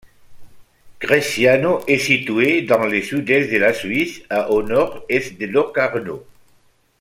Cresciano est situé dans le sud-est de la Suisse à au nord-est de Locarno.